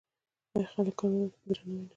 آیا خلک کاناډا ته په درناوي نه ګوري؟